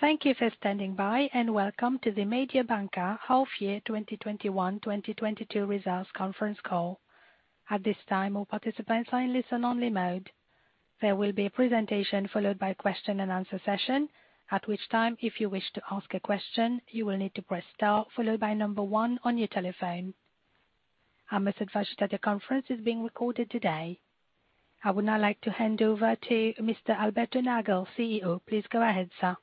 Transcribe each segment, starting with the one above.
Thank you for standing by, and welcome to the Mediobanca Half Year 2021, 2022 Results Conference Call. At this time, all participants are in listen-only mode. There will be a presentation followed by a question-and-answer session. At which time, if you wish to ask a question, you will need to press star followed by 1 on your telephone. I must advise you that the conference is being recorded today. I would now like to hand over to Mr. Alberto Nagel, CEO. Please go ahead, sir.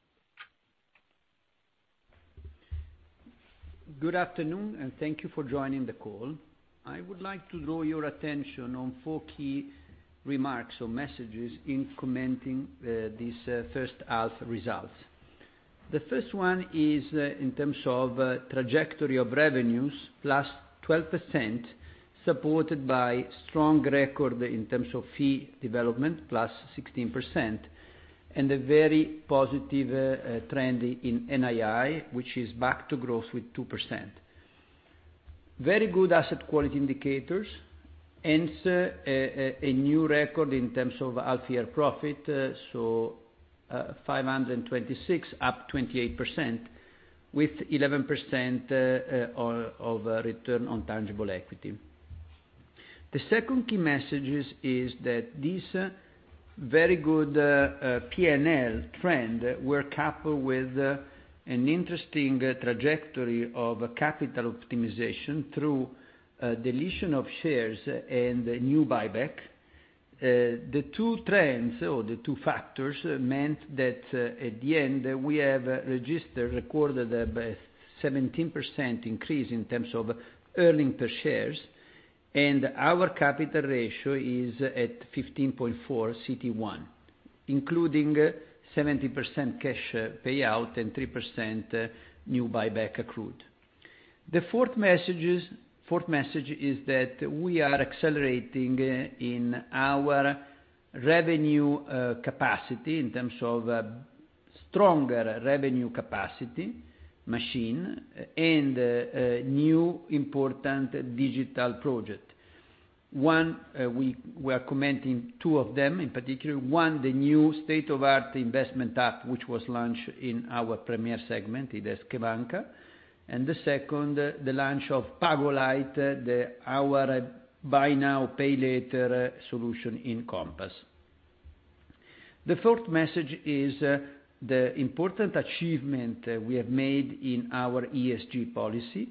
Good afternoon, and thank you for joining the call. I would like to draw your attention on four key remarks or messages in commenting these first half results. The first one is in terms of trajectory of revenues, +12%, supported by strong record in terms of fee development, +16%, and a very positive trend in NII, which is back to growth with 2%. Very good asset quality indicators, hence, a new record in terms of half-year profit. So 526 up 28%, with 11% of return on tangible equity. The second key message is that this very good P&L trend were coupled with an interesting trajectory of capital optimization through deletion of shares and new buyback. The two trends, or the two factors, meant that at the end, we have registered, recorded a 17% increase in terms of earnings per share, and our capital ratio is at 15.4% CET1, including 70% cash payout and 3% new buyback accrued. The fourth message is that we are accelerating in our revenue capacity in terms of stronger revenue capacity machine and new important digital project. We are commenting two of them in particular. One, the new state-of-the-art investment app, which was launched in our Premier segment, it is CheBanca!. And the second, the launch of PagoLight, our buy now, pay later solution in Compass. The fourth message is the important achievement we have made in our ESG policy.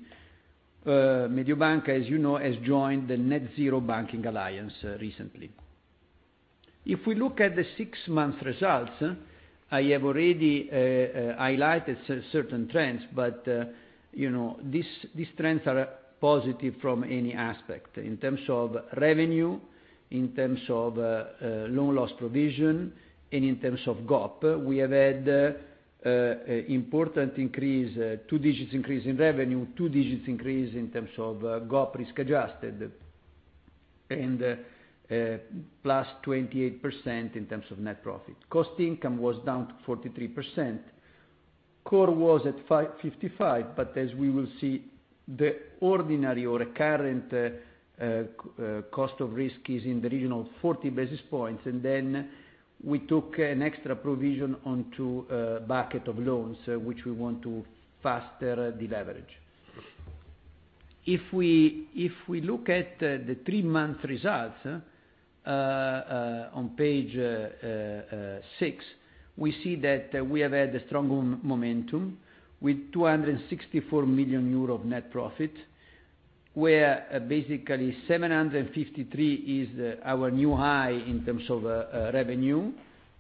Mediobanca, as you know, has joined the Net-Zero Banking Alliance recently. If we look at the six-month results, I have already highlighted certain trends, but these trends are positive from any aspect. In terms of revenue, in terms of loan loss provision, and in terms of GOP, we have had important increase, two-digit increase in revenue, two-digit increase in terms of GOP risk-adjusted, and +28% in terms of net profit. Cost-income was down to 43%. Core was at 555, but as we will see, the ordinary or recurrent cost of risk is in the region of 40 basis points. And then we took an extra provision onto a bucket of loans, which we want to faster deleverage. If we look at the three-month results on page six, we see that we have had a strong momentum with 264 million euro of net profit, where basically 753 is our new high in terms of revenue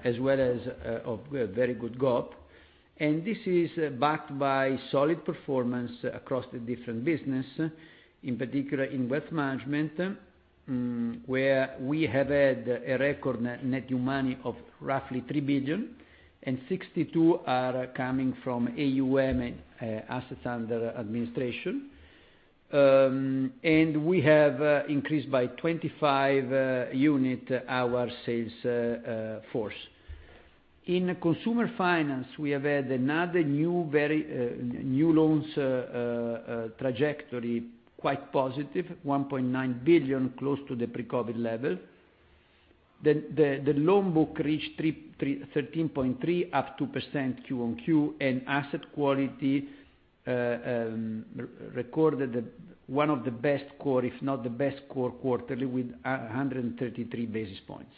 as well as of very good GOP. This is backed by solid performance across the different business, in particular in wealth management, where we have had a record net new money of roughly 3 billion, and 62 are coming from AUM, assets under administration. We have increased by 25 unit our sales force. In consumer finance, we have had another new loans trajectory, quite positive, 1.9 billion, close to the pre-COVID level. The loan book reached 13.3, up 2% Q-on-Q, and asset quality recorded one of the best core, if not the best core quarterly, with 133 basis points.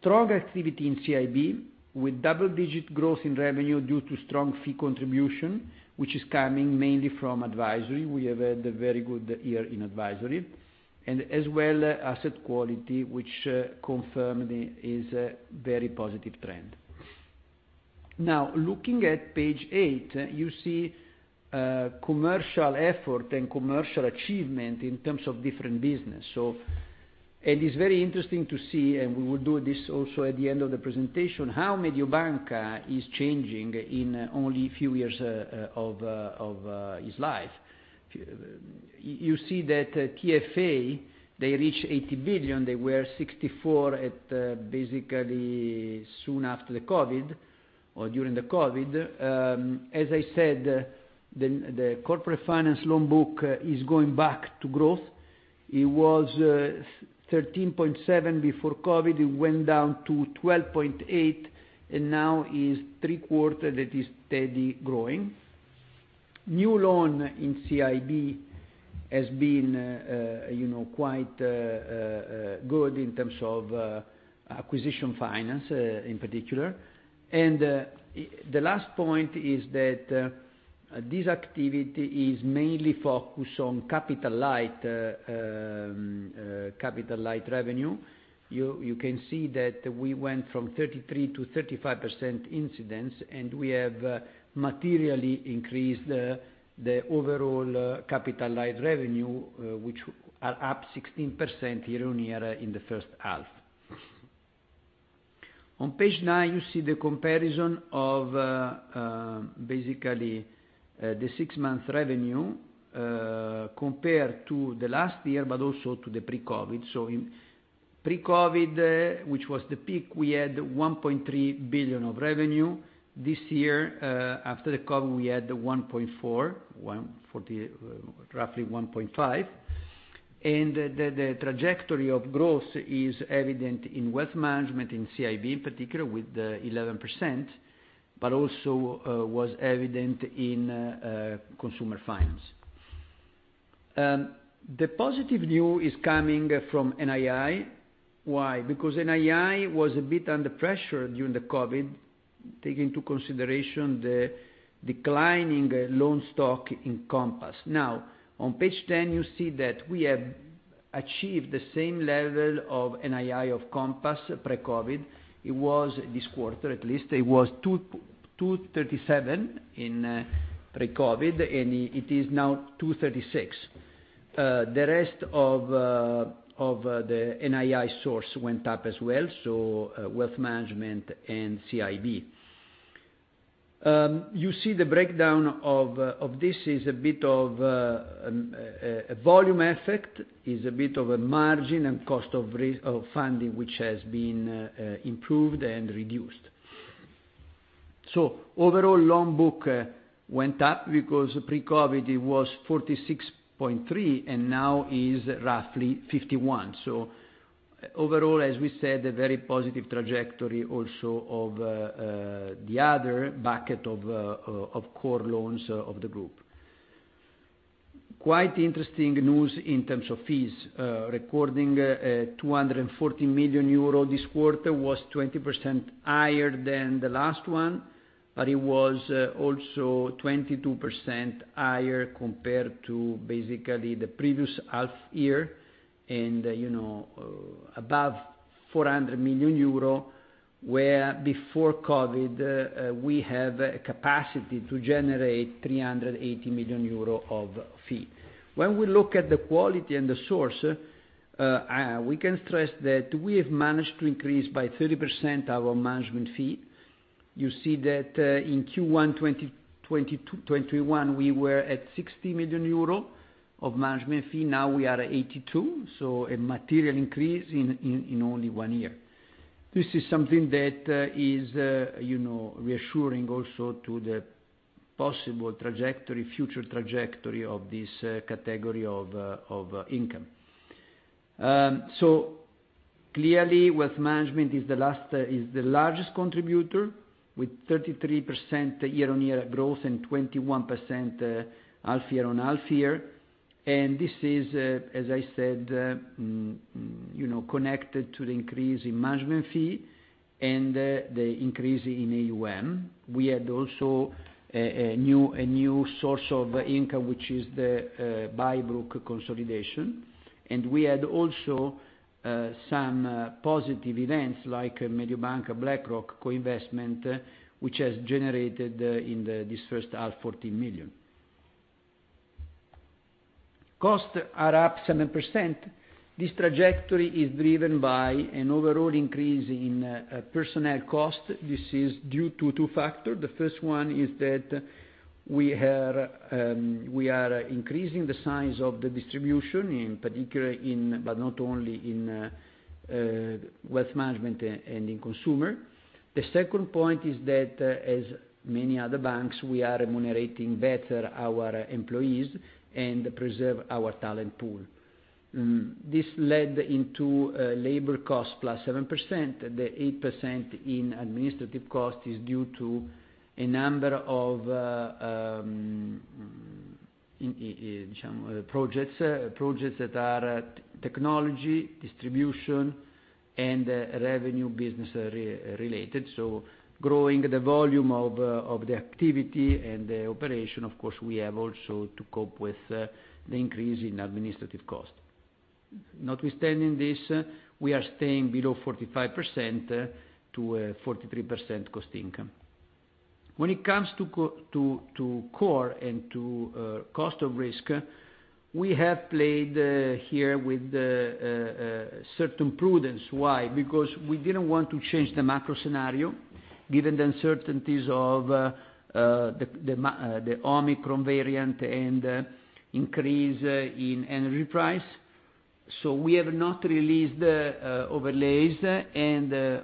Strong activity in CIB with double-digit growth in revenue due to strong fee contribution, which is coming mainly from advisory. We have had a very good year in advisory, and as well, asset quality, which confirmed is a very positive trend. Looking at page eight, you see commercial effort and commercial achievement in terms of different business. It is very interesting to see, and we will do this also at the end of the presentation, how Mediobanca is changing in only a few years of its life. You see that TFA, they reached 80 billion. They were 64 at basically soon after the COVID, or during the COVID. As I said, the corporate finance loan book is going back to growth. It was 13.7 before COVID, it went down to 12.8, and now is three quarter that is steady growing. New loan in CIB has been quite good in terms of acquisition finance, in particular. The last point is that this activity is mainly focused on capital light revenue. You can see that we went from 33%-35% incidence, and we have materially increased the overall capital light revenue, which are up 16% year-on-year in the first half. On page nine, you see the comparison of basically the six-month revenue compared to the last year, but also to the pre-COVID. In pre-COVID, which was the peak, we had 1.3 billion of revenue. This year, after the COVID, we had 1.4, roughly 1.5. The trajectory of growth is evident in wealth management, in CIB particular with 11%, but also was evident in consumer finance. The positive view is coming from NII. Why? NII was a bit under pressure during the COVID, take into consideration the declining loan stock in Compass. On page 10, you see that we have achieved the same level of NII of Compass pre-COVID. It was this quarter, at least it was 237 in pre-COVID, and it is now 236. The rest of the NII source went up as well, so wealth management and CIB. You see the breakdown of this is a bit of a volume effect, is a bit of a margin and cost of funding, which has been improved and reduced. Overall loan book went up because pre-COVID it was 46.3 and now is roughly 51. Overall, as we said, a very positive trajectory also of the other bucket of core loans of the group. Quite interesting news in terms of fees, recording 240 million euro this quarter was 20% higher than the last one, but it was also 22% higher compared to basically the previous half year and above 400 million euro, where before COVID, we had capacity to generate 380 million euro of fee. When we look at the quality and the source, we can stress that we have managed to increase by 30% our management fee. You see that in Q1 2021, we were at 60 million euro of management fee. Now we are at 82, so a material increase in only one year. This is something that is reassuring also to the possible future trajectory of this category of income. Clearly, wealth management is the largest contributor with 33% year-on-year growth and 21% half year on half year. This is, as I said, connected to the increase in management fee and the increase in AUM. We had also a new source of income, which is the Buyback consolidation, and we had also some positive events like Mediobanca BlackRock Co-investment, which has generated in this first half, 14 million. Costs are up 7%. This trajectory is driven by an overall increase in personnel cost. This is due to two factor. The first one is that we are increasing the size of the distribution, in particular but not only in wealth management and in consumer. The second point is that, as many other banks, we are remunerating better our employees and preserve our talent pool. This led into labor cost plus 7%. The 8% in administrative cost is due to a number of projects that are technology, distribution, and revenue business related. Growing the volume of the activity and the operation, of course, we have also to cope with the increase in administrative cost. Notwithstanding this, we are staying below 45% to a 43% cost income. When it comes to core and to cost of risk, we have played here with certain prudence. Why? Because we didn't want to change the macro scenario given the uncertainties of the Omicron variant and increase in energy price. We have not released overlays, and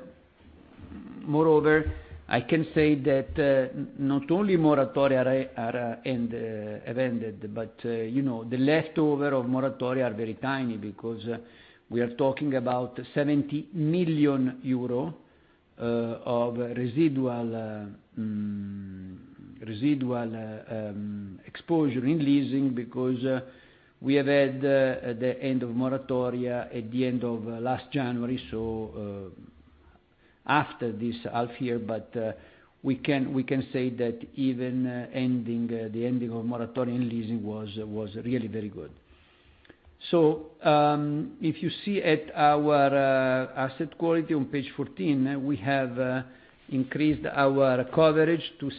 moreover, I can say that not only moratoria have ended, but the leftover of moratoria are very tiny because we are talking about 70 million euro of residual exposure in leasing, because we have had the end of moratoria at the end of last January, so after this half year. We can say that even the ending of moratoria in leasing was really very good. If you see at our asset quality on page 14, we have increased our coverage to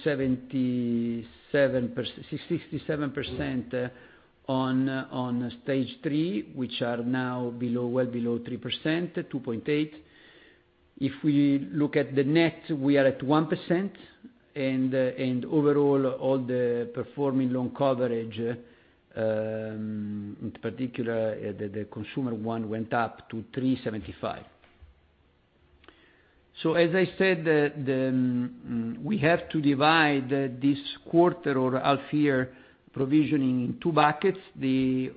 67% on stage 3, which are now well below 3%, 2.8%. If we look at the net, we are at 1%, and overall, all the performing loan coverage, in particular, the consumer one went up to 375%. As I said, we have to divide this quarter or half year provisioning in two buckets, the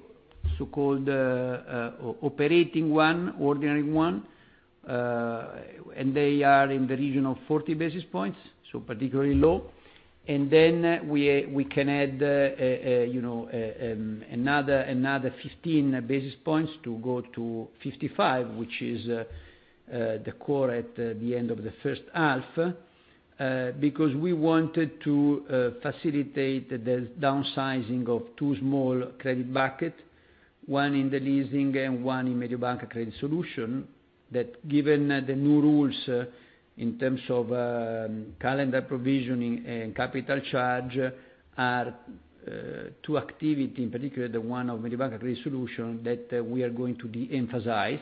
so-called operating one, ordinary one, and they are in the region of 40 basis points, particularly low. We can add another 15 basis points to go to 55, which is the core at the end of the first half, because we wanted to facilitate the downsizing of two small credit buckets, one in the leasing and one in MBCredit Solutions, that given the new rules in terms of calendar provisioning and capital charge are two activities, in particular, the one of MBCredit Solutions that we are going to de-emphasize.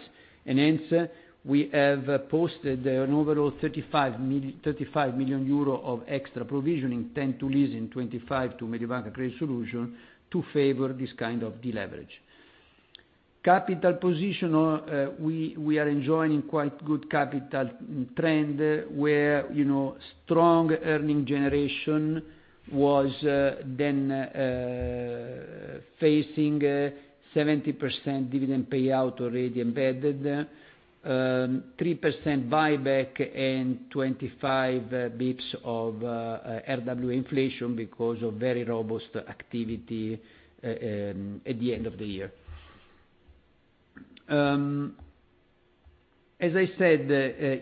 We have posted an overall 35 million euro of extra provisioning, 10 million to leasing, 25 million to MBCredit Solutions, to favor this kind of deleverage. Capital position, we are enjoying quite good capital trend where strong earning generation was then facing 70% dividend payout already embedded, 3% buyback and 25 basis points of RWA inflation because of very robust activity at the end of the year. As I said,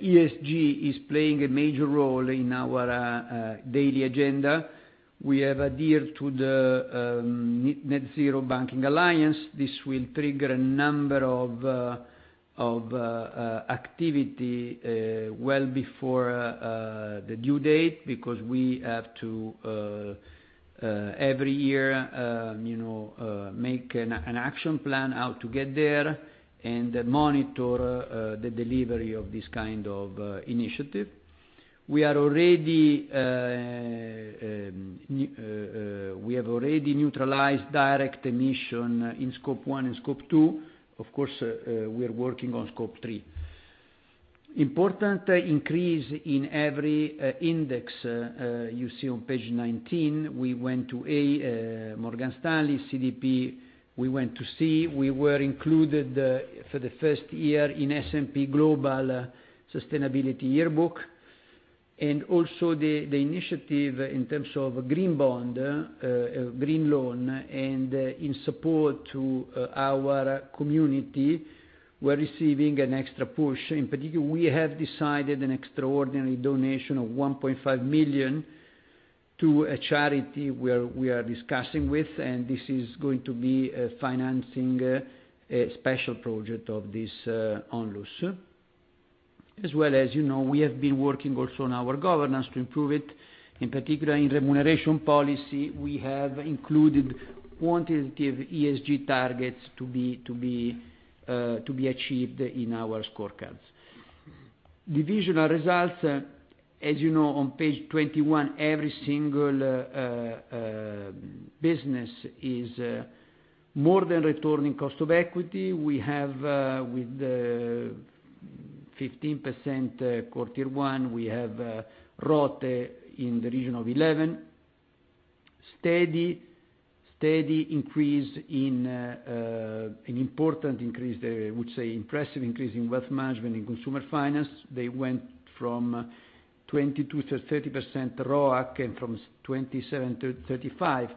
ESG is playing a major role in our daily agenda. We have adhered to the Net-Zero Banking Alliance. This will trigger a number of activities well before the due date because we have to, every year, make an action plan how to get there and monitor the delivery of this kind of initiative. We have already neutralized direct emission in Scope 1 and Scope 2. Of course, we are working on Scope 3. Important increase in every index you see on page 19. We went to A, Morgan Stanley, CDP, we went to C. We were included for the first year in S&P Global Sustainability Yearbook. The initiative in terms of green bond, green loan, and in support to our community, we're receiving an extra push. In particular, we have decided an extraordinary donation of 1.5 million to a charity we are discussing with, this is going to be financing a special project of this ONLUS. We have been working also on our governance to improve it. In particular, in remuneration policy, we have included quantitative ESG targets to be achieved in our scorecards. Divisional results, as you know, on page 21, every single business is more than returning cost of equity. We have with 15% core Tier 1, we have RoTE in the region of 11%. Steady increase in, an important increase, I would say impressive increase in wealth management and consumer finance. They went from 22%-30% ROAC and from 27%-35%.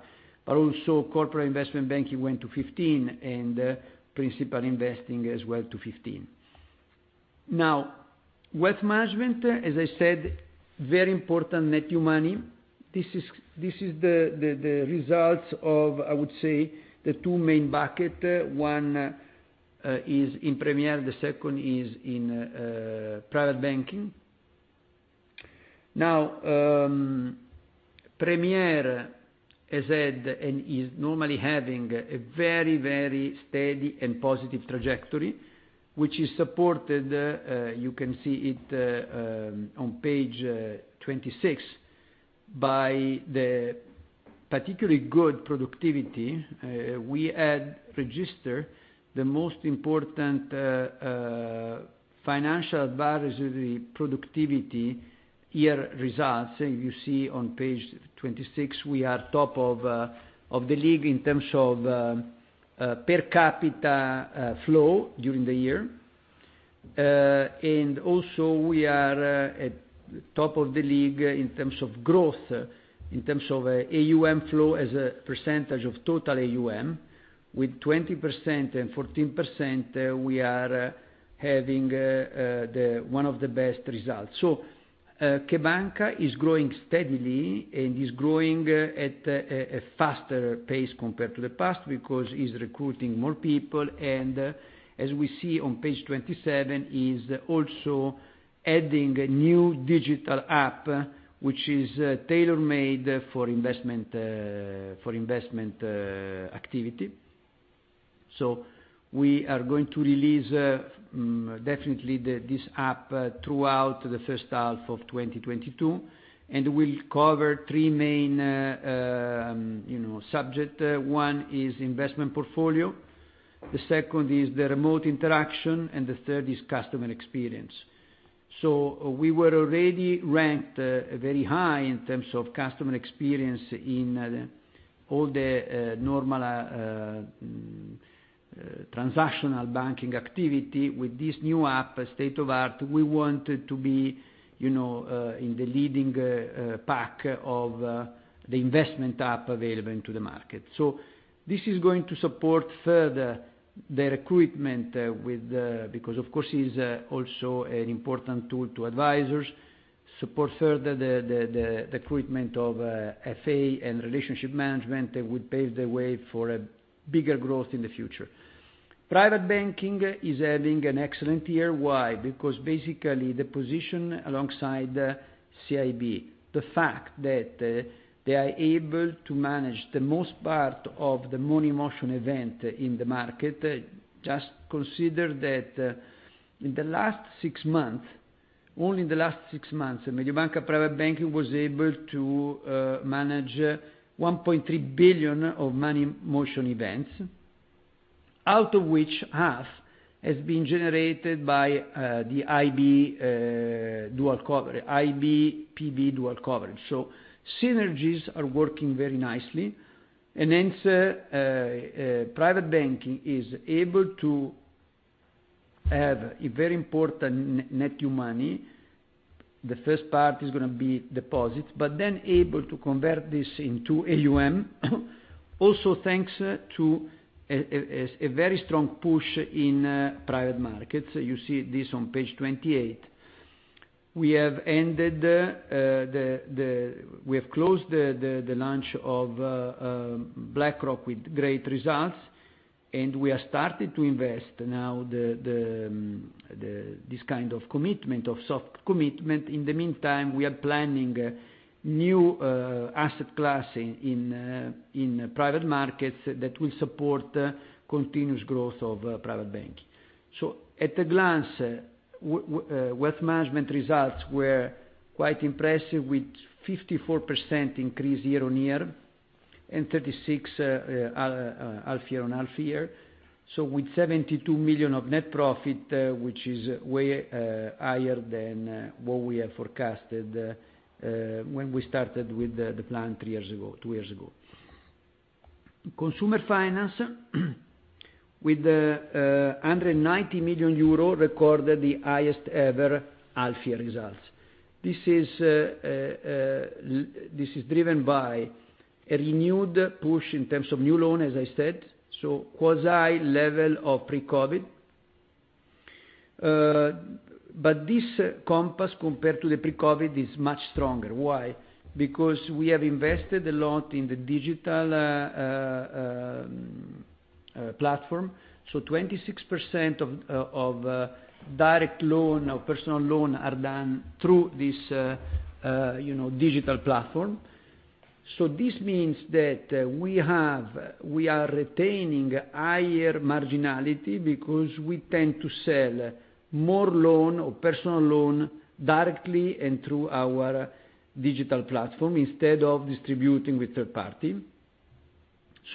Corporate Investment Banking went to 15% and principal investing as well to 15%. Wealth management, as I said, very important net new money. This is the results of, I would say, the two main buckets. One is in Premier, the second is in Private Banking. Premier has had and is normally having a very steady and positive trajectory, which is supported, you can see it on page 26, by the particularly good productivity. We had registered the most important financial advisory productivity year results. You see on page 26, we are top of the league in terms of per capita flow during the year. We are at the top of the league in terms of growth, in terms of AUM flow as a percentage of total AUM. With 20% and 14%, we are having one of the best results. CheBanca! is growing steadily and is growing at a faster pace compared to the past because it's recruiting more people and, as we see on page 27, is also adding a new digital app, which is tailor-made for investment activity. We are going to release definitely this app throughout the first half of 2022, and will cover three main subjects. One is investment portfolio, the second is the remote interaction, and the third is customer experience. We were already ranked very high in terms of customer experience in all the normal transactional banking activity. With this new app, state of art, we want to be in the leading pack of the investment app available into the market. This is going to support further the recruitment because, of course, it is also an important tool to advisors, support further the recruitment of FA and relationship management that would pave the way for a bigger growth in the future. Private Banking is having an excellent year. Why? Because basically the position alongside CIB, the fact that they are able to manage the most part of the money motion event in the market. Just consider that in the last six months, only in the last six months, Mediobanca Private Banking was able to manage 1.3 billion of money motion events, out of which half has been generated by the IB dual coverage, IB, PB dual coverage. Synergies are working very nicely, and hence Private Banking is able to have a very important net new money. The first part is going to be deposits, able to convert this into AUM, also thanks to a very strong push in private markets. You see this on page 28. We have closed the launch of BlackRock with great results, and we are starting to invest now this kind of commitment of soft commitment. In the meantime, we are planning new asset class in private markets that will support continuous growth of Private Banking. At a glance, wealth management results were quite impressive with 54% increase year-on-year and 36% half-year-on-half-year. With 72 million of net profit, which is way higher than what we have forecasted when we started with the plan three years ago, two years ago. Consumer finance with 190 million euro recorded the highest ever half-year results. This is driven by a renewed push in terms of new loan, as I said, quasi-level of pre-COVID. This Compass compared to the pre-COVID is much stronger. Why? Because we have invested a lot in the digital platform. 26% of direct loan or personal loan are done through this digital platform. This means that we are retaining higher marginality because we tend to sell more loan or personal loan directly and through our digital platform instead of distributing with third-party.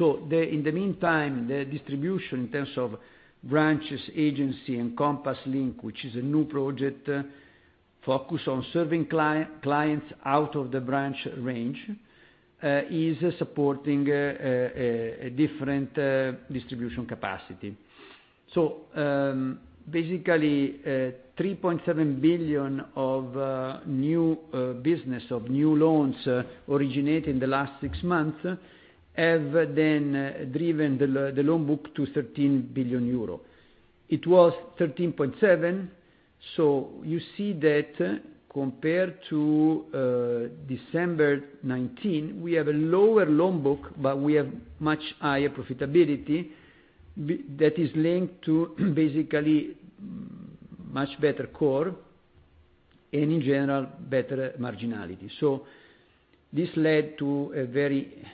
In the meantime, the distribution in terms of branches, agency, and Compass Link, which is a new project focused on serving clients out of the branch range, is supporting a different distribution capacity. Basically 3.7 billion of new business, of new loans originated in the last six months, have then driven the loan book to 13 billion euro. It was 13.7. You see that compared to December 2019, we have a lower loan book, but we have much higher profitability that is linked to basically much better core and in general, better marginality. This led to a very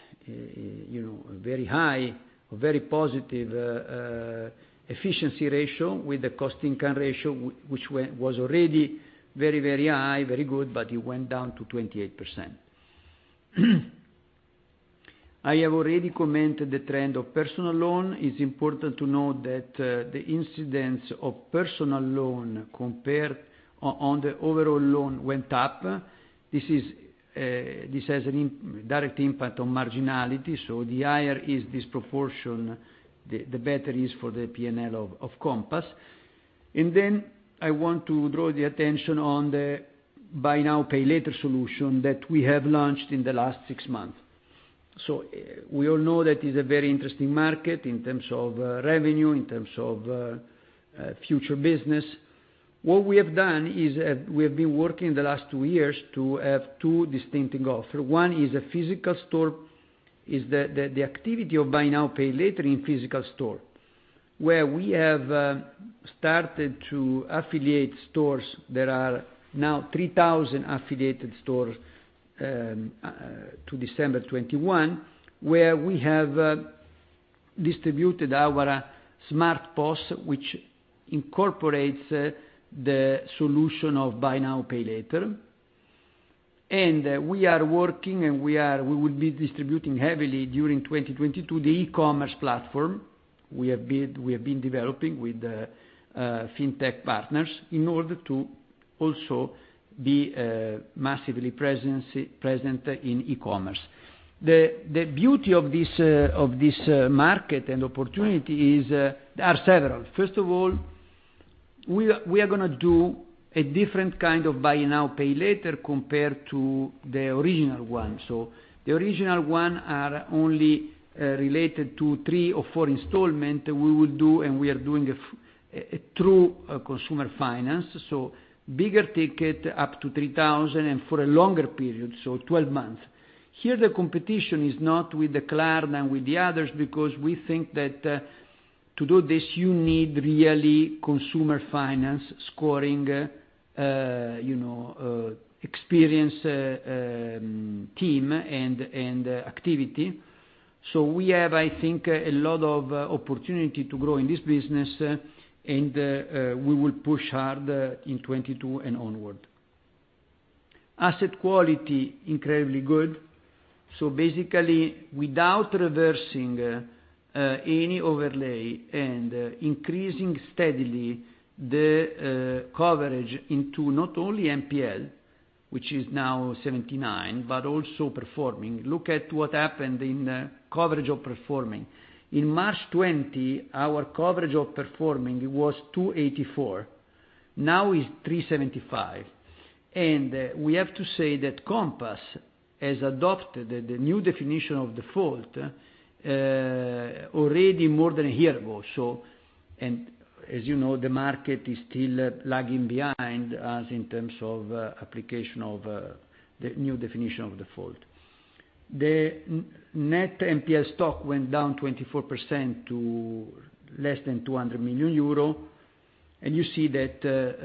high or very positive efficiency ratio with the cost income ratio, which was already very high, very good, but it went down to 28%. I have already commented the trend of personal loan. It is important to note that the incidence of personal loan compared on the overall loan went up. This has a direct impact on marginality, the higher is this proportion, the better is for the P&L of Compass. I want to draw the attention on the buy now, pay later solution that we have launched in the last six months. We all know that it is a very interesting market in terms of revenue, in terms of future business. What we have done is we have been working the last two years to have two distinctive offer. One is the activity of buy now, pay later in physical store, where we have started to affiliate stores. There are now 3,000 affiliated stores to December 2021, where we have distributed our Smart POS, which incorporates the solution of buy now, pay later. We are working, and we will be distributing heavily during 2022, the e-commerce platform we have been developing with fintech partners in order to also be massively present in e-commerce. The beauty of this market and opportunity are several. First of all, we are going to do a different kind of buy now, pay later compared to the original one. The original one are only related to three or four installment. We will do, and we are doing, a true consumer finance. Bigger ticket, up to 3,000, and for a longer period, 12 months. Here, the competition is not with Klarna and with the others, because we think that to do this, you need really consumer finance scoring, experienced team and activity. We have, I think, a lot of opportunity to grow in this business, and we will push hard in 2022 and onward. Asset quality, incredibly good. Basically, without reversing any overlay and increasing steadily the coverage into not only NPL, which is now 79, but also performing. Look at what happened in coverage of performing. In March 2020, our coverage of performing was 284. Now it is 375. We have to say that Compass has adopted the new definition of default already more than a year ago. As you know, the market is still lagging behind us in terms of application of the new definition of default. The net NPL stock went down 24% to less than 200 million euro. You see that the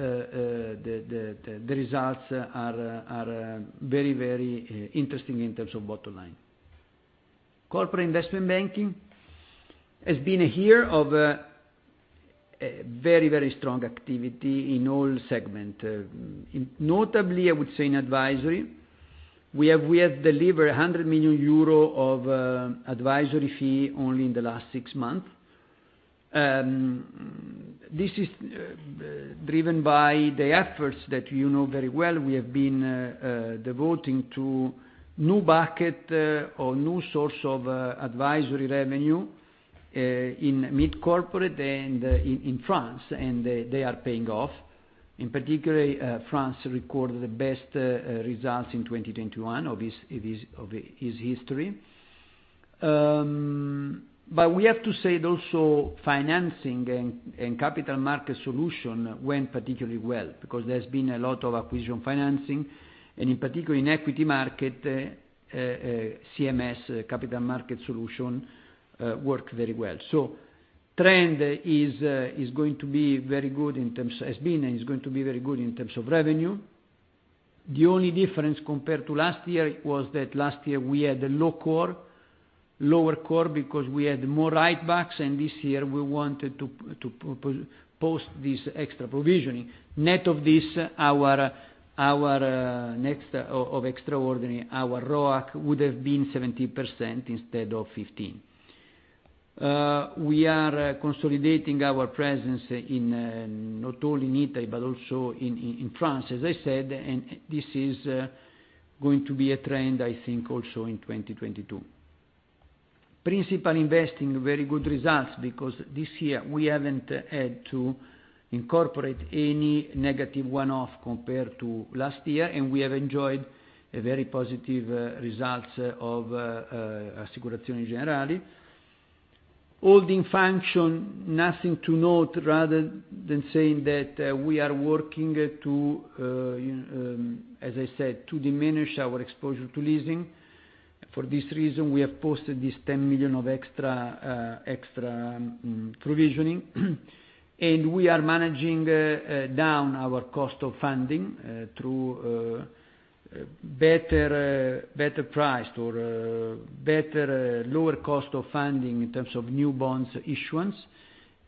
results are very interesting in terms of bottom line. Corporate investment banking has been a year of very strong activity in all segment. Notably, I would say in advisory. We have delivered 100 million euro of advisory fee only in the last six months. This is driven by the efforts that you know very well we have been devoting to new bucket or new source of advisory revenue in mid-corporate and in France. They are paying off. In particular, France recorded the best results in 2021 of its history. We have to say also financing and capital market solution went particularly well because there's been a lot of acquisition financing, and in particular in equity market, CMS, capital market solution, worked very well. Trend has been and is going to be very good in terms of revenue. The only difference compared to last year was that last year we had lower core because we had more write-backs, and this year we wanted to post this extra provisioning. Net of extraordinary, our ROIC would have been 17% instead of 15%. We are consolidating our presence not only in Italy but also in France, as I said, and this is going to be a trend, I think, also in 2022. Principal investing, very good results because this year we haven't had to incorporate any negative one-off compared to last year, and we have enjoyed very positive results of Assicurazioni Generali. Holding function, nothing to note, rather than saying that we are working, as I said, to diminish our exposure to leasing. For this reason, we have posted this 10 million of extra provisioning. We are managing down our cost of funding through better priced or lower cost of funding in terms of new bonds issuance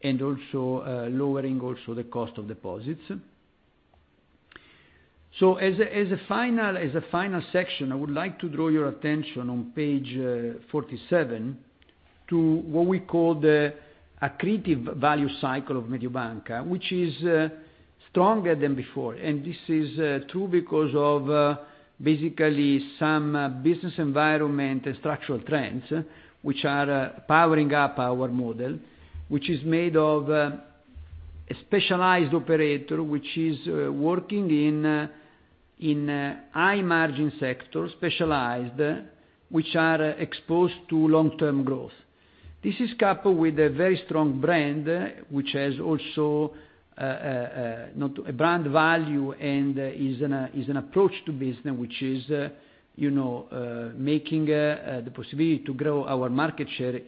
and also lowering the cost of deposits. As a final section, I would like to draw your attention on page 47 to what we call the accretive value cycle of Mediobanca, which is Stronger than before. This is true because of basically some business environment and structural trends, which are powering up our model, which is made of a specialized operator, which is working in a high margin sector, specialized, which are exposed to long-term growth. This is coupled with a very strong brand, which has also a brand value and is an approach to business, which is making the possibility to grow our market share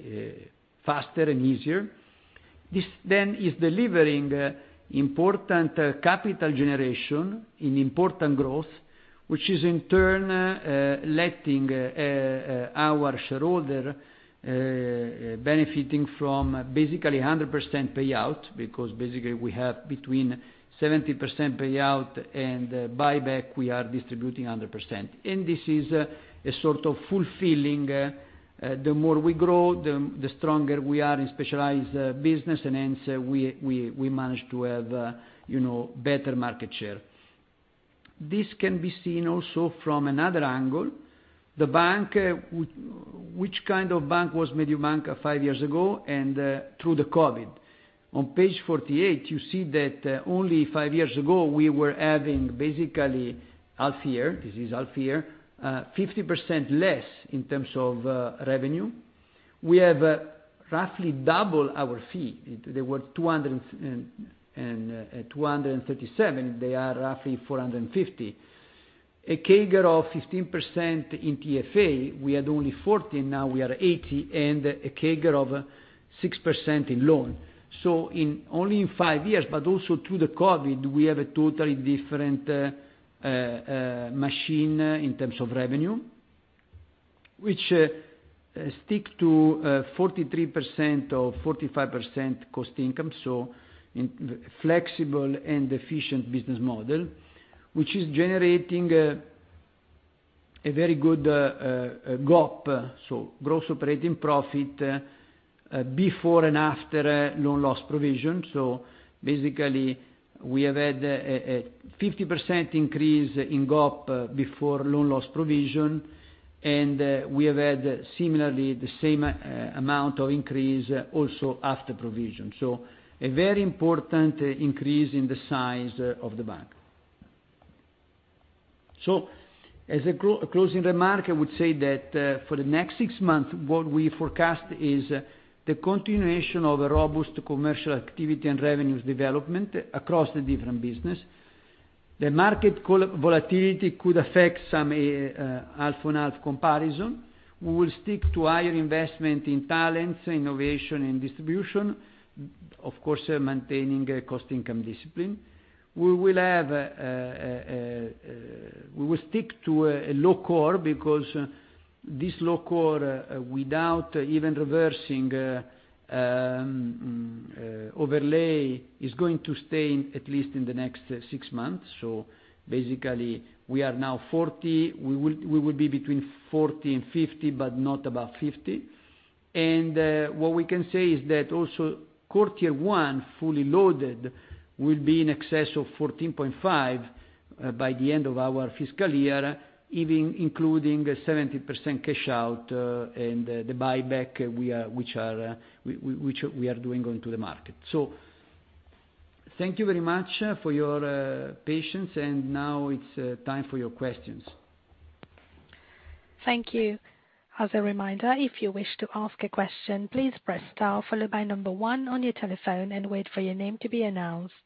faster and easier. This then is delivering important capital generation in important growth, which is in turn letting our shareholder benefiting from basically 100% payout, because basically we have between 70% payout and buyback, we are distributing 100%. This is a sort of fulfilling, the more we grow, the stronger we are in specialized business, and hence we manage to have better market share. This can be seen also from another angle. Which kind of bank was Mediobanca five years ago and through the COVID? On page 48, you see that only five years ago, we were having basically half year, this is half year, 50% less in terms of revenue. We have roughly double our fee. They were at 237, they are roughly 450. A CAGR of 15% in TFA, we had only 40, now we are 80, and a CAGR of 6% in loan. Only in five years, but also through the COVID, we have a totally different machine in terms of revenue, which stick to 43% or 45% cost income, so in flexible and efficient business model, which is generating a very good GOP, so gross operating profit, before and after loan loss provision. Basically, we have had a 50% increase in GOP before loan loss provision, we have had similarly the same amount of increase also after provision. A very important increase in the size of the bank. As a closing remark, I would say that for the next six months, what we forecast is the continuation of a robust commercial activity and revenues development across the different business. The market volatility could affect some half-on-half comparison. We will stick to higher investment in talents, innovation, and distribution. Of course, maintaining cost income discipline. We will stick to a low core because this low core, without even reversing overlay, is going to stay at least in the next six months. Basically, we are now 40. We will be between 40 and 50, but not above 50. What we can say is that also core Tier 1, fully loaded, will be in excess of 14.5 by the end of our fiscal year, even including 70% cash out and the buyback which we are doing going to the market. Thank you very much for your patience, and now it's time for your questions. Thank you. As a reminder, if you wish to ask a question, please press star followed by number one on your telephone and wait for your name to be announced.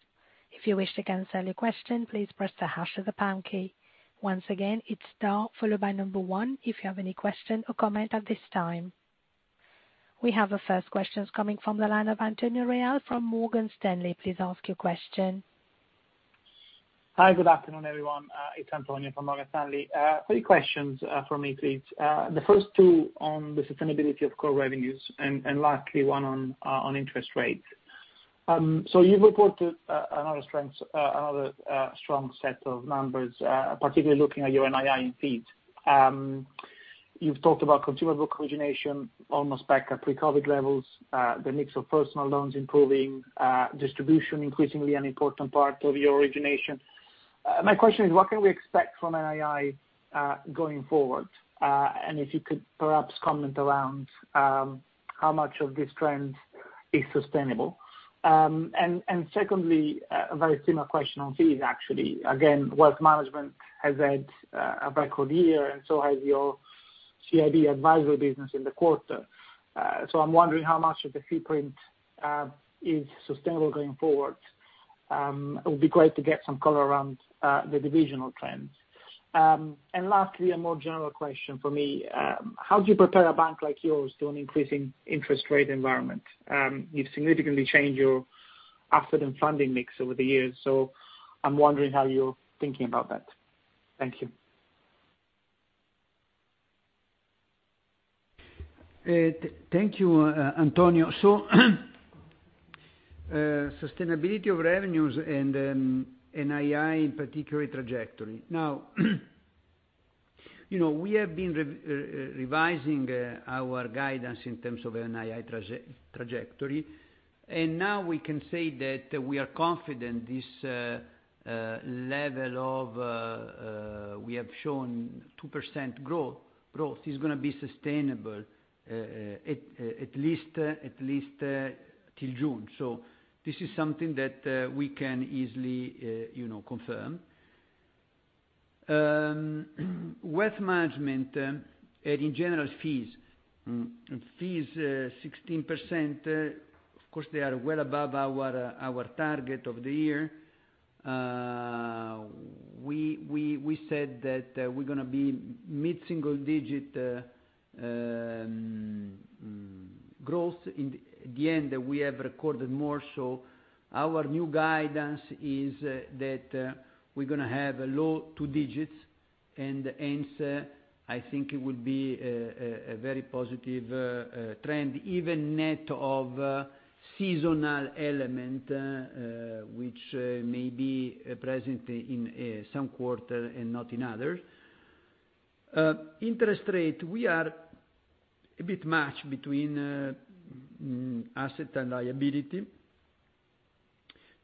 If you wish to cancel your question, please press the hash or the pound key. Once again, it's star followed by number one, if you have any question or comment at this time. We have the first questions coming from the line of Antonio Reale from Morgan Stanley. Please ask your question. Hi, good afternoon, everyone. It's Antonio from Morgan Stanley. Three questions from me, please. The first two on the sustainability of core revenues, lastly, one on interest rates. You've reported another strong set of numbers, particularly looking at your NII and fees. You've talked about consumable origination almost back at pre-COVID levels, the mix of personal loans improving, distribution increasingly an important part of your origination. My question is, what can we expect from NII, going forward? If you could perhaps comment around how much of this trend is sustainable. Secondly, a very similar question on fees, actually. Again, wealth management has had a record year, so has your CIB advisory business in the quarter. I'm wondering how much of the footprint is sustainable going forward. It would be great to get some color around the divisional trends. Lastly, a more general question from me, how do you prepare a bank like yours to an increasing interest rate environment? You've significantly changed your asset and funding mix over the years, I'm wondering how you're thinking about that. Thank you. Thank you, Antonio. Sustainability of revenues and NII, in particular, trajectory. We have been revising our guidance in terms of NII trajectory, now we can say that we are confident we have shown 2% growth is going to be sustainable at least till June. This is something that we can easily confirm. Wealth management, and in general, fees, 16%. They are well above our target of the year. We said that we're going to be mid-single digit growth. We have recorded more. Our new guidance is that we're going to have a low two digits, hence, I think it will be a very positive trend, even net of seasonal element, which may be present in some quarter and not in others. Interest rate, we are a bit matched between asset and liability.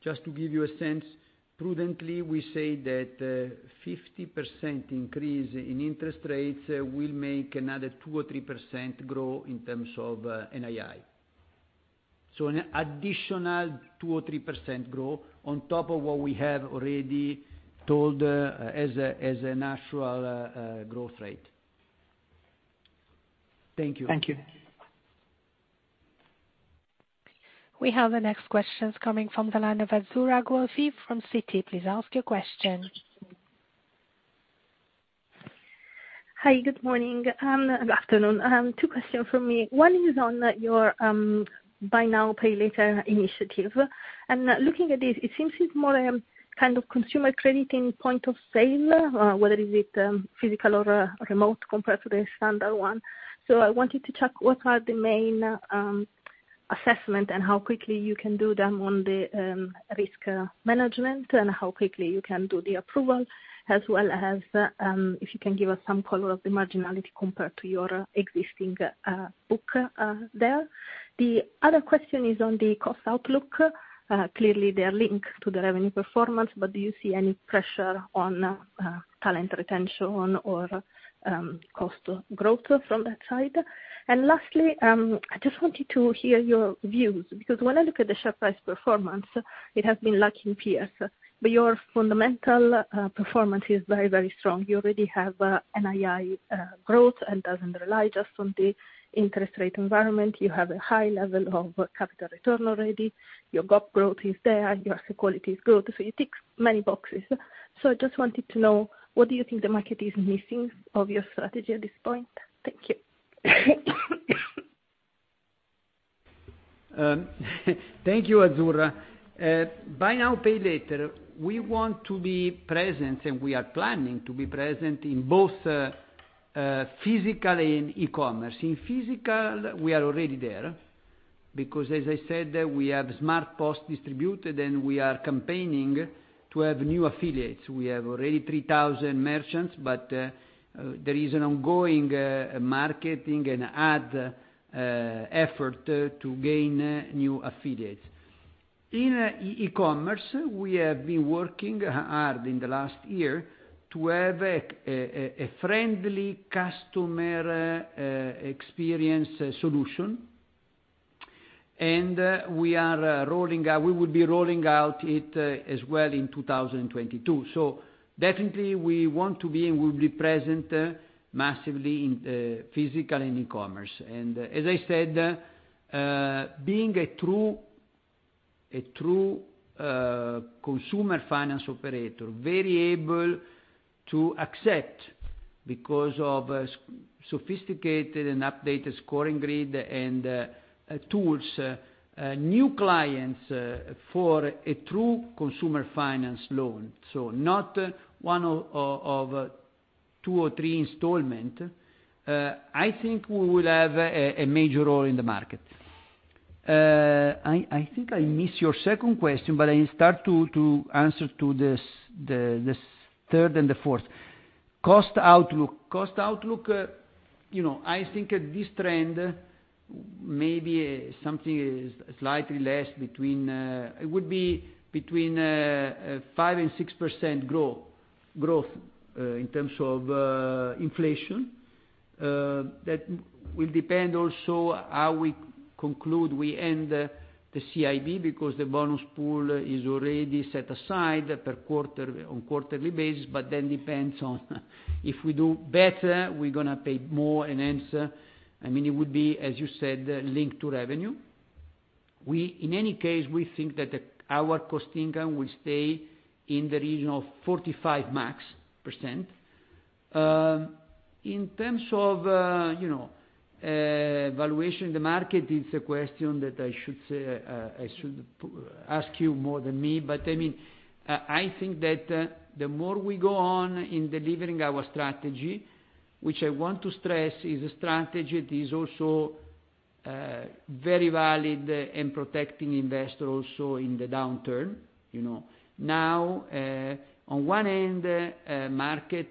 Just to give you a sense, prudently, we say that 50% increase in interest rates will make another 2% or 3% grow in terms of NII. An additional 2% or 3% growth on top of what we have already told as a natural growth rate. Thank you. Thank you. We have the next questions coming from the line of Azzurra Guelfi from Citi. Please ask your question. Hi, good morning. Afternoon. Two questions from me. One is on your buy now, pay later initiative. Looking at this, it seems it's more a kind of consumer credit in point of sale, whether is it physical or remote compared to the standard one. I wanted to check what are the main assessment, and how quickly you can do them on the risk management, and how quickly you can do the approval. As well as if you can give us some color of the marginality compared to your existing book there. The other question is on the cost outlook. Clearly they are linked to the revenue performance, do you see any pressure on talent retention or cost growth from that side? Lastly, I just wanted to hear your views, because when I look at the share price performance, it has been lagging peers. Your fundamental performance is very, very strong. You already have NII growth and doesn't rely just on the interest rate environment. You have a high level of capital return already. Your GOP growth is there, your asset quality is good, it ticks many boxes. I just wanted to know, what do you think the market is missing of your strategy at this point? Thank you. Thank you, Azzurra. Buy now, pay later. We want to be present, we are planning to be present in both physical and e-commerce. In physical, we are already there, because as I said, we have Smart POS distributed, we are campaigning to have new affiliates. We have already 3,000 merchants, there is an ongoing marketing and ad effort to gain new affiliates. In e-commerce, we have been working hard in the last year to have a friendly customer experience solution, we will be rolling out it as well in 2022. Definitely we want to be and will be present massively in physical and e-commerce. As I said, being a true consumer finance operator, very able to accept, because of sophisticated and updated scoring grid and tools, new clients for a true consumer finance loan. Not one of two or three installment. I think we will have a major role in the market. I think I missed your second question, I start to answer to the third and the fourth. Cost outlook. Cost outlook, I think at this trend, maybe something slightly less. It would be between 5% and 6% growth in terms of inflation. That will depend also how we conclude, we end the CIB, because the bonus pool is already set aside on quarterly basis. Then depends on if we do better, we're going to pay more and hence, it would be, as you said, linked to revenue. In any case, we think that our cost income will stay in the region of 45 max %. In terms of valuation in the market, it's a question that I should ask you more than me. I think that the more we go on in delivering our strategy, which I want to stress is a strategy that is also very valid and protecting investors also in the downturn. Now, on one end, market,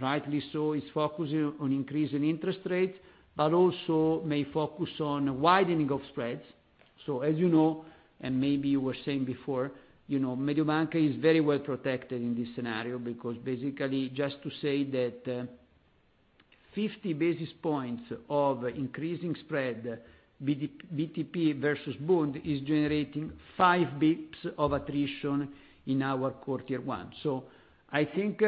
rightly so, is focusing on increasing interest rates, also may focus on widening of spreads. As you know, and maybe you were saying before, Mediobanca is very well protected in this scenario because basically just to say that 50 basis points of increasing spread BTP versus Bund is generating 5 basis points of attrition in our core Tier 1. I think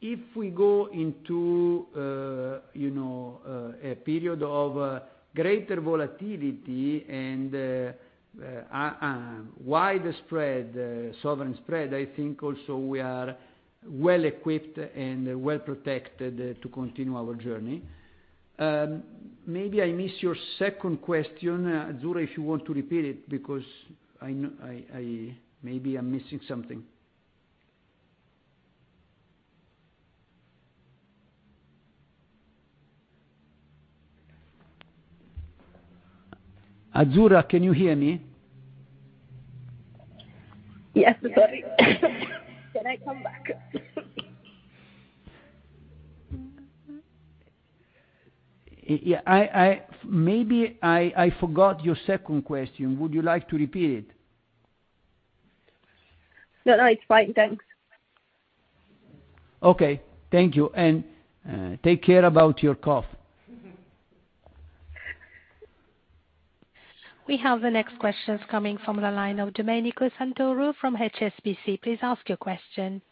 if we go into a period of greater volatility and a wide spread, sovereign spread, I think also we are well-equipped and well-protected to continue our journey. Maybe I missed your second question, Azzurra, if you want to repeat it, because maybe I'm missing something. Azzurra, can you hear me? Yes, sorry. Can I come back? Yeah. Maybe I forgot your second question. Would you like to repeat it? No, it's fine. Thanks. Okay. Thank you. Take care about your cough. We have the next questions coming from the line of Domenico Santoro from HSBC. Please ask your question.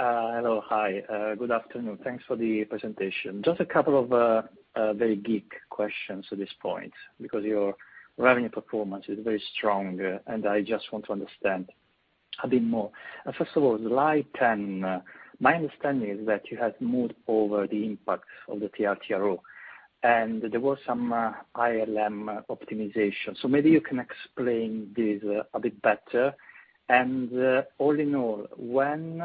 Hello. Hi. Good afternoon. Thanks for the presentation. Just a couple of very geek questions at this point, because your revenue performance is very strong, and I just want to understand a bit more. First of all, the light, my understanding is that you have moved over the impact of the TLTRO, and there was some ALM optimization. Maybe you can explain this a bit better. All in all, when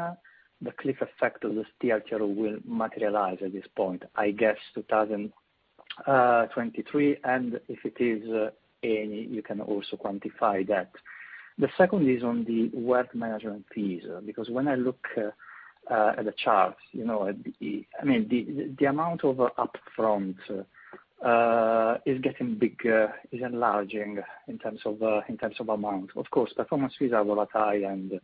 the cliff effect of this TLTRO will materialize at this point, I guess 2023, and if it is any, you can also quantify that. The second is on the wealth management fees, because when I look at the charts, the amount of upfront is getting bigger, is enlarging in terms of amount. Of course, performance fees are volatile and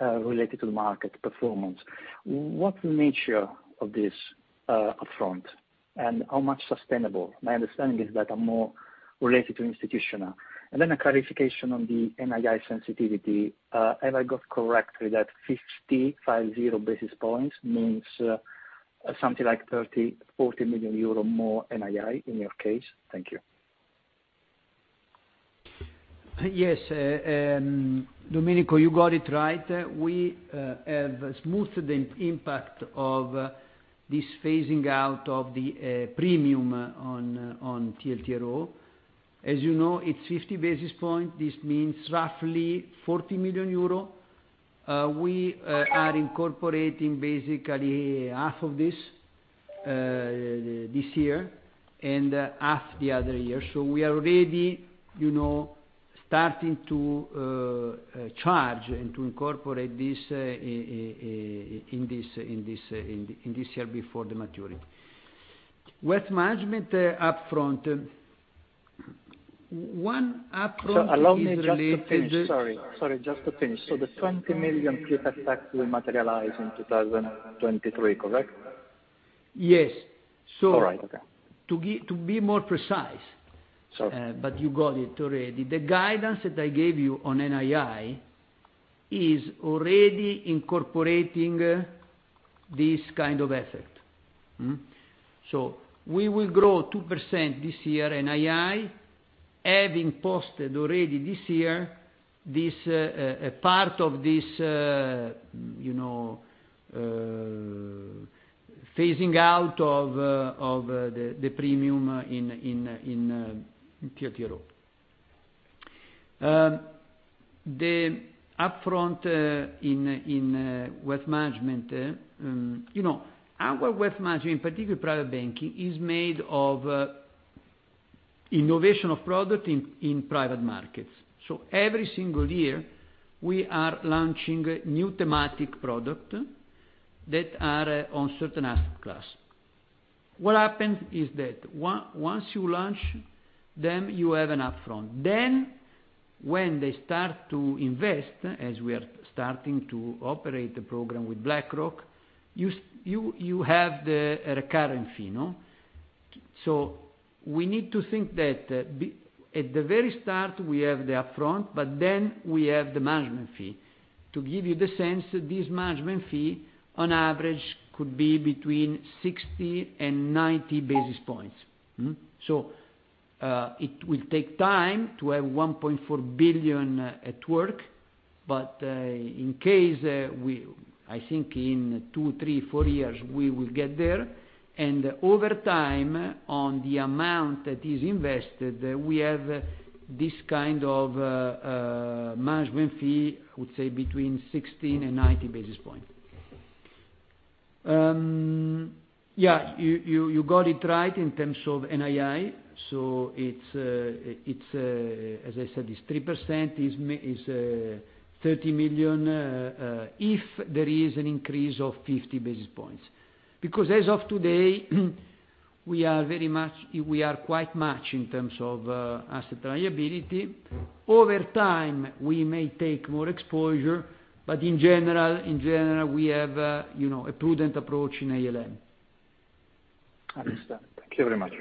related to market performance. What's the nature of this upfront, and how much sustainable? My understanding is that are more related to institutional. Then a clarification on the NII sensitivity. Have I got correctly that 50, 5-0, basis points means something like 30, 40 million euro more NII in your case? Thank you. Yes. Domenico, you got it right. We have smoothed the impact of this phasing out of the premium on TLTRO. As you know, it's 50 basis points. This means roughly 40 million euro. We are incorporating basically half of this year and half the other year. We are already starting to charge and to incorporate this in this year before the maturity. Wealth management upfront. One upfront is related- Sorry, just to finish. The 20 million cliff effect will materialize in 2023, correct? Yes. All right. Okay. To be more precise. Sorry. You got it already. The guidance that I gave you on NII is already incorporating this kind of effect. We will grow 2% this year, NII, having posted already this year a part of this phasing out of the premium in TLTRO. The upfront in wealth management. Our wealth management, in particular Mediobanca Private Banking, is made of innovation of product in private markets. Every single year, we are launching new thematic product that are on certain asset class. What happens is that once you launch them, you have an upfront. When they start to invest, as we are starting to operate the program with BlackRock, you have the recurring fee. We need to think that at the very start, we have the upfront, but then we have the management fee. To give you the sense, this management fee, on average, could be between 60 and 90 basis points. It will take time to have 1.4 billion at work, but in case, I think in two, three, four years, we will get there. Over time, on the amount that is invested, we have this kind of management fee, I would say between 60 and 90 basis point. Yeah. You got it right in terms of NII. As I said, it's 3%, it's 30 million, if there is an increase of 50 basis points. As of today, we are quite much in terms of asset liability. Over time, we may take more exposure, but in general, we have a prudent approach in ALM. I understand. Thank you very much.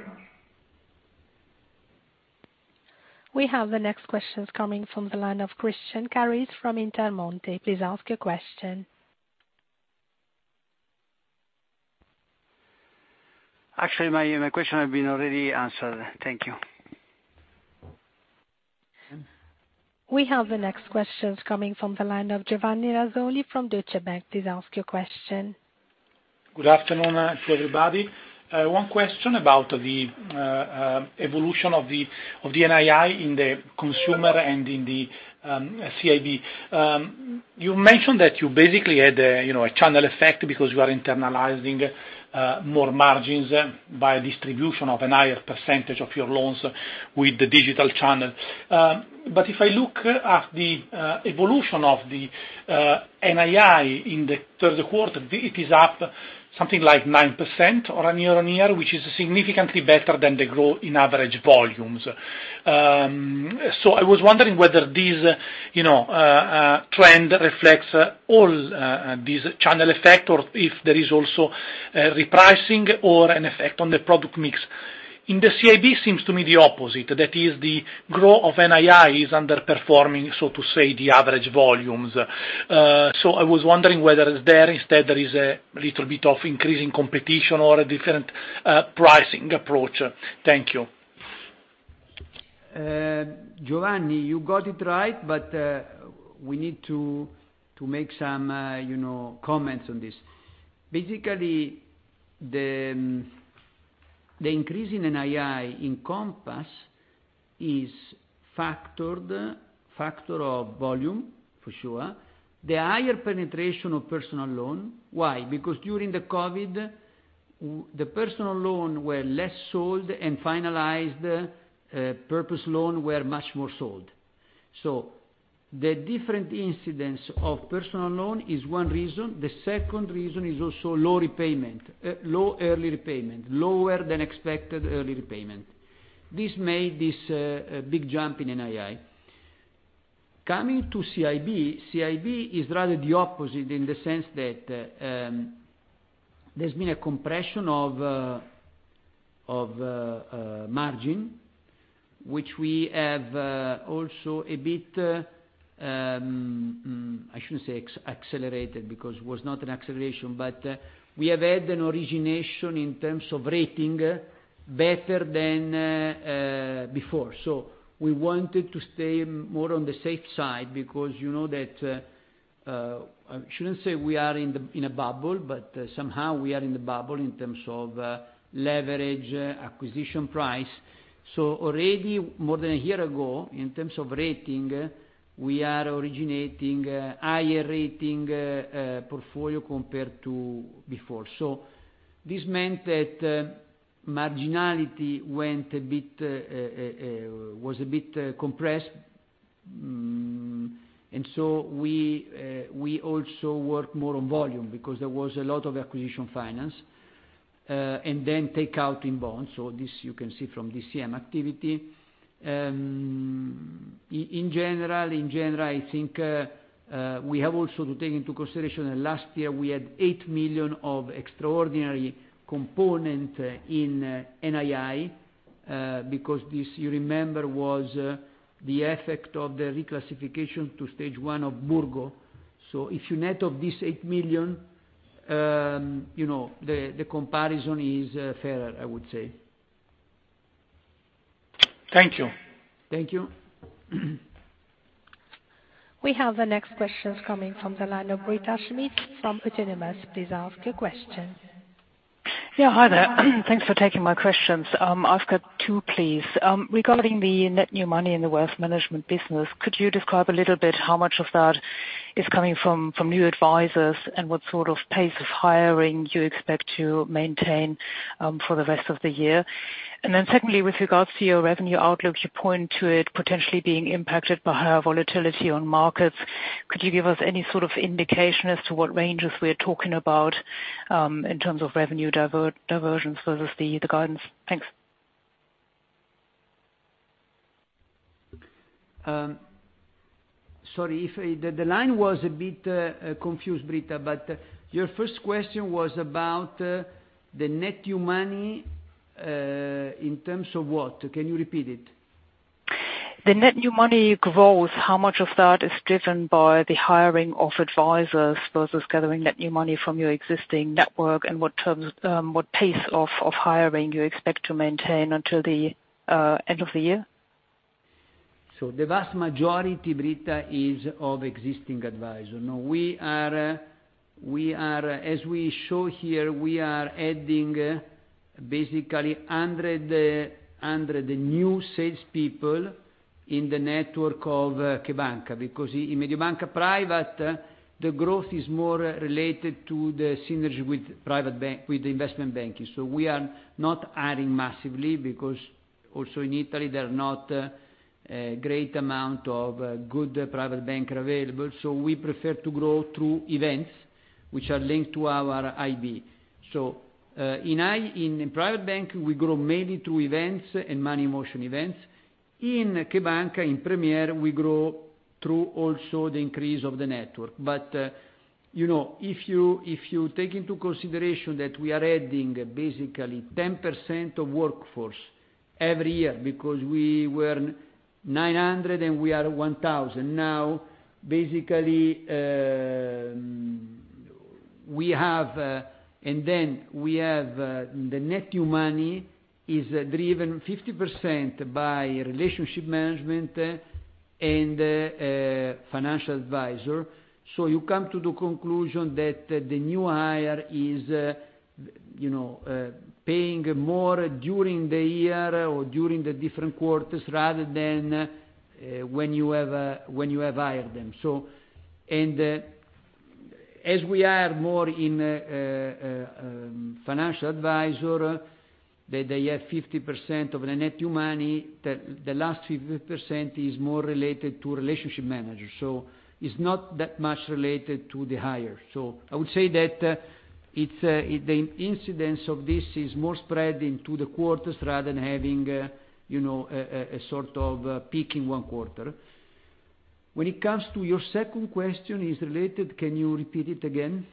We have the next questions coming from the line of Christian Carrese from Intermonte. Please ask your question. Actually, my question has been already answered. Thank you. We have the next questions coming from the line of Giovanni Razzoli from Deutsche Bank. Please ask your question. Good afternoon to everybody. One question about the evolution of the NII in the consumer and in the CIB. You mentioned that you basically had a channel effect because you are internalizing more margins by distribution of a higher percentage of your loans with the digital channel. If I look at the evolution of the NII in the third quarter, it is up something like 9% on a year-on-year, which is significantly better than the growth in average volumes. I was wondering whether this trend reflects all this channel effect, or if there is also repricing or an effect on the product mix. In the CIB, seems to me the opposite, that is, the growth of NII is underperforming, so to say, the average volumes. I was wondering whether instead there is a little bit of increase in competition or a different pricing approach. Thank you. Giovanni, you got it right, but we need to make some comments on this. Basically, the increase in NII in Compass is factor of volume, for sure. The higher penetration of personal loan. Why? Because during the COVID, the personal loan were less sold and finalized purpose loan were much more sold. The different incidents of personal loan is one reason. The second reason is also low early repayment, lower than expected early repayment. This made this big jump in NII. Coming to CIB is rather the opposite in the sense that there has been a compression of margin, which we have also a bit, I shouldn't say accelerated, because it was not an acceleration, but we have had an origination in terms of rating better than before. We wanted to stay more on the safe side because you know that, I shouldn't say we are in a bubble, but somehow we are in a bubble in terms of leverage, acquisition price. Already more than a year ago, in terms of rating, we are originating higher rating portfolio compared to before. This meant that marginality was a bit compressed. We also work more on volume because there was a lot of acquisition finance, and then take out in bonds. This you can see from DCM activity. In general, I think we have also to take into consideration that last year we had 8 million of extraordinary component in NII, because this, you remember, was the effect of the reclassification to stage 1 of Burgo. If you net of this 8 million, the comparison is fairer, I would say. Thank you. Thank you. We have the next questions coming from the line of Britta Schmidt from Autonomous Research. Please ask your question. Yeah. Hi there. Thanks for taking my questions. I've got two, please. Regarding the net new money in the wealth management business, could you describe a little bit how much of that is coming from new advisors and what sort of pace of hiring you expect to maintain for the rest of the year? Secondly, with regards to your revenue outlook, you point to it potentially being impacted by higher volatility on markets. Could you give us any sort of indication as to what ranges we're talking about, in terms of revenue diversions versus the guidance? Thanks. Sorry. The line was a bit confused, Britta, but your first question was about the net new money, in terms of what? Can you repeat it? The net new money growth, how much of that is driven by the hiring of advisors versus gathering net new money from your existing network, and what pace of hiring you expect to maintain until the end of the year? The vast majority, Britta, is of existing advisor. As we show here, we are adding basically 100 new salespeople in the network of CheBanca, because in Mediobanca Private, the growth is more related to the synergy with the investment banking. We are not adding massively because also in Italy, there are not a great amount of good private banker available. We prefer to grow through events which are linked to our IB. In private bank, we grow mainly through events and money motion events. In CheBanca, in Premier, we grow through also the increase of the network. If you take into consideration that we are adding basically 10% of workforce every year because we were 900 and we are 1,000 now, basically, we have the net new money is driven 50% by relationship management and financial advisor. You come to the conclusion that the new hire is paying more during the year or during the different quarters rather than when you have hired them. As we are more in financial advisor, they have 50% of the net new money. The last 50% is more related to relationship managers. It's not that much related to the hire. I would say that the incidence of this is more spread into the quarters rather than having a sort of peak in one quarter. When it comes to your second question, it is related, can you repeat it again?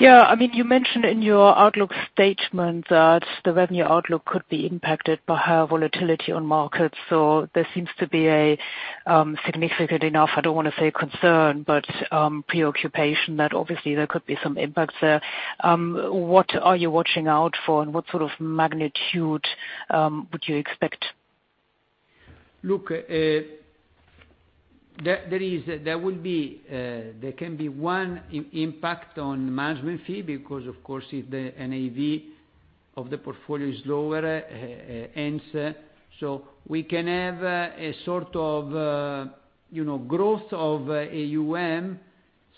Yeah. You mentioned in your outlook statement that the revenue outlook could be impacted by higher volatility on markets. There seems to be a, significant enough, I don't want to say concern, but preoccupation that obviously there could be some impact there. What are you watching out for and what sort of magnitude would you expect? Look, there can be one impact on management fee because, of course, if the NAV of the portfolio is lower, hence, we can have a sort of growth of AUM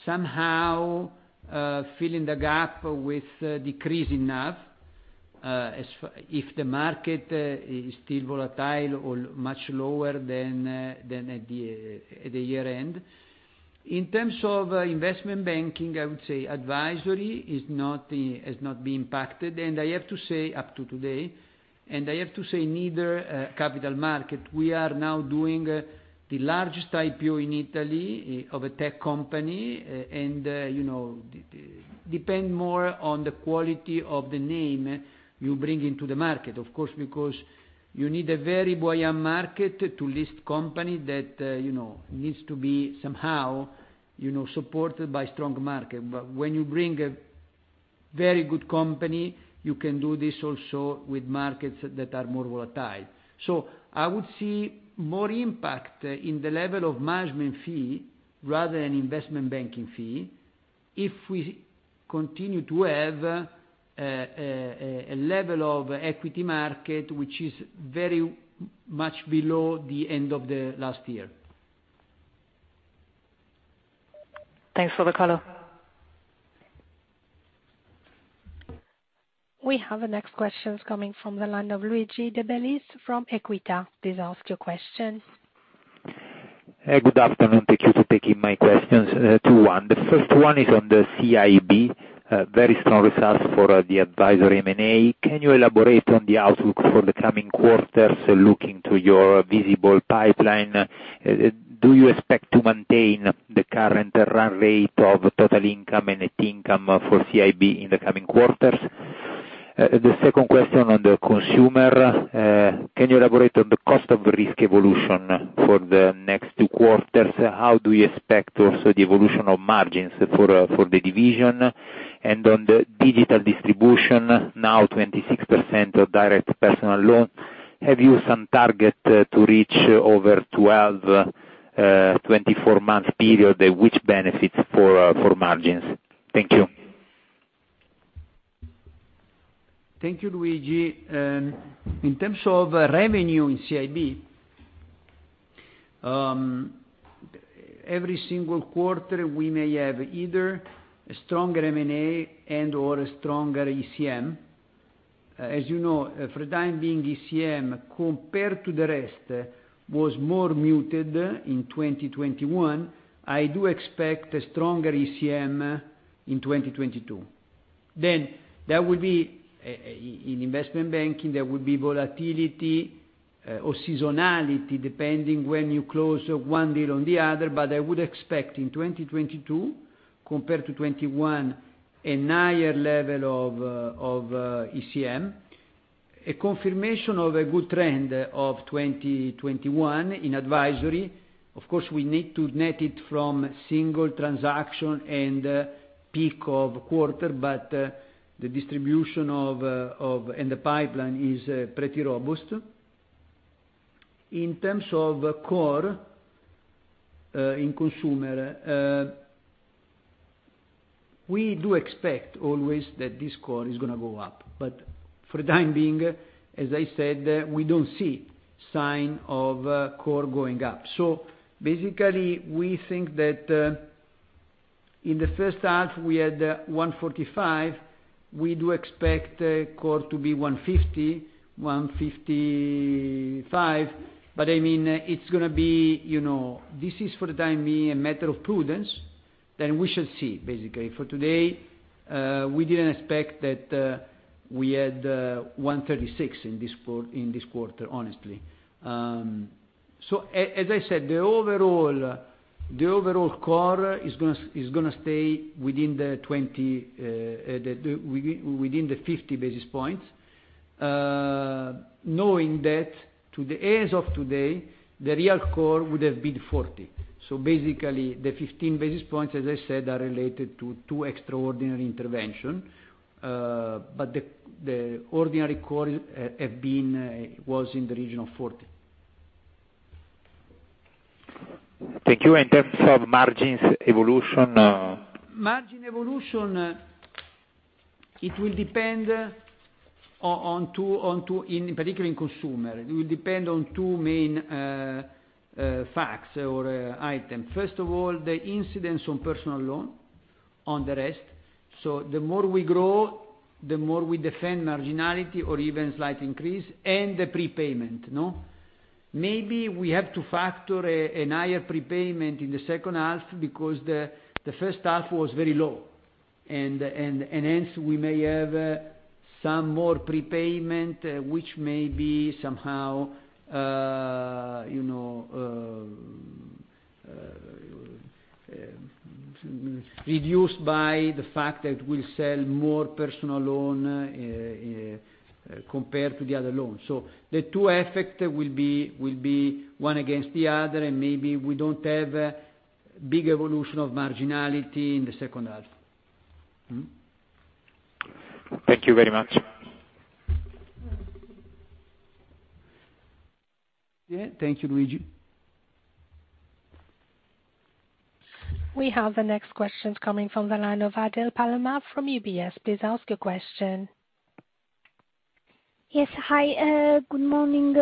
somehow filling the gap with decrease in NAV, if the market is still volatile or much lower than at the year-end. In terms of investment banking, I would say advisory has not been impacted, and I have to say up to today, and I have to say neither capital market. We are now doing the largest IPO in Italy of a tech company. Depend more on the quality of the name you bring into the market, of course, because you need a very buoyant market to list company that needs to be somehow supported by strong market. When you bring a very good company, you can do this also with markets that are more volatile. I would see more impact in the level of management fee rather than investment banking fee if we continue to have a level of equity market, which is very much below the end of the last year. Thanks for the color. We have the next questions coming from the line of Luigi de Bellis from Equita. Please ask your questions. Good afternoon. Thank you for taking my questions, two. One. The first one is on the CIB, very strong results for the advisory M&A. Can you elaborate on the outlook for the coming quarters looking to your visible pipeline? Do you expect to maintain the current run rate of total income and net income for CIB in the coming quarters? The second question on the consumer. Can you elaborate on the cost of risk evolution for the next two quarters? How do you expect also the evolution of margins for the division? On the digital distribution, now 26% of direct personal loan, have you some target to reach over 12, 24 months period, which benefits for margins? Thank you. Thank you, Luigi. In terms of revenue in CIB, every single quarter, we may have either a stronger M&A and/or a stronger ECM. As you know, for the time being, ECM, compared to the rest, was more muted in 2021. I do expect a stronger ECM in 2022. In investment banking, there will be volatility or seasonality depending when you close one deal on the other, but I would expect in 2022 compared to 2021, a higher level of ECM, a confirmation of a good trend of 2021 in advisory. Of course, we need to net it from single transaction and peak of quarter, but the distribution and the pipeline is pretty robust. In terms of core in consumer, we do expect always that this core is going to go up. For the time being, as I said, we don't see sign of core going up. Basically, we think that in the first half we had 145. We do expect core to be 150, 155. This is for the time being, a matter of prudence. We shall see, basically. For today, we did not expect that we had 136 in this quarter, honestly. As I said, the overall core is going to stay within the 50 basis points. Knowing that as of today, the real core would have been 40. Basically, the 15 basis points, as I said, are related to two extraordinary intervention. The ordinary core was in the region of 40. Thank you. In terms of margins evolution. Margin evolution, in particular in consumer. It will depend on two main facts or items. First of all, the incidence on personal loans on the rest. The more we grow, the more we defend marginality or even slight increase, and the prepayment. Maybe we have to factor a higher prepayment in the second half because the first half was very low. Hence we may have some more prepayment, which may be somehow reduced by the fact that we sell more personal loans compared to the other loans. The two effects will be one against the other, and maybe we don't have big evolution of marginality in the second half. Thank you very much. Thank you, Luigi. We have the next questions coming from the line of Adele Palama from UBS. Please ask your question. Hi, good morning.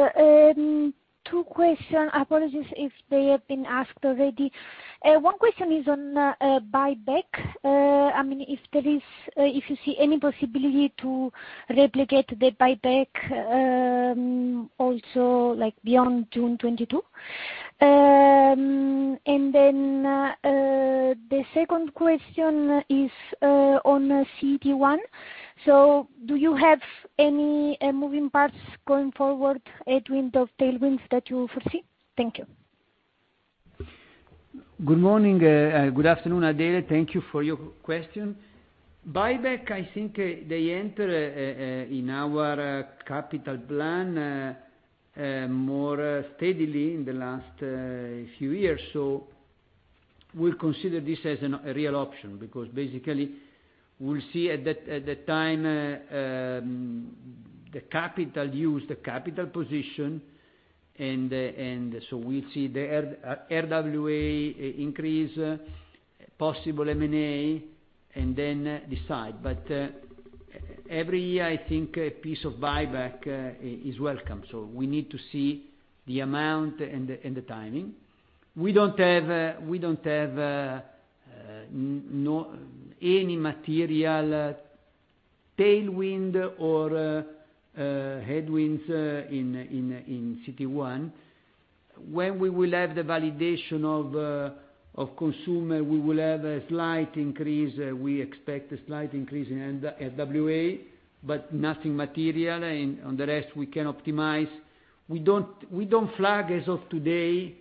Two question. Apologies if they have been asked already. One question is on buyback. If you see any possibility to replicate the buyback, also like beyond June 2022. The second question is, on CET1. Do you have any moving parts going forward, headwinds or tailwinds that you foresee? Thank you. Good afternoon, Adele. Thank you for your question. Buyback, I think they enter in our capital plan more steadily in the last few years. We'll consider this as a real option because basically we'll see at the time, the capital used, the capital position, we'll see the RWA increase, possible M&A, decide. Every year, I think a piece of buyback is welcome. We need to see the amount and the timing. We don't have any material tailwind or headwinds in CET1. When we will have the validation of consumer, we will have a slight increase. We expect a slight increase in RWA, but nothing material. On the rest, we can optimize. We don't flag, as of today,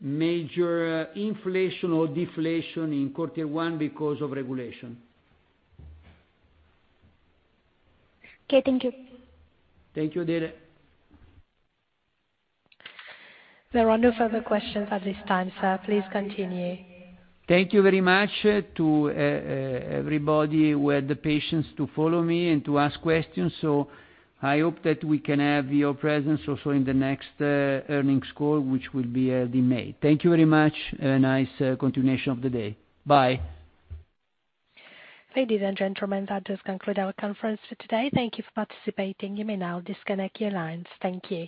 major inflation or deflation in quarter one because of regulation. Okay, thank you. Thank you, Adele. There are no further questions at this time, sir. Please continue. Thank you very much to everybody who had the patience to follow me and to ask questions. I hope that we can have your presence also in the next earnings call, which will be held in May. Thank you very much. A nice continuation of the day. Bye. Ladies and gentlemen, that does conclude our conference for today. Thank you for participating. You may now disconnect your lines. Thank you.